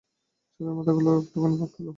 চোখের পাতাগুলো একটুখানি ফাঁক হল।